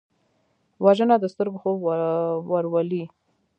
وژنه د سترګو خوب ورولي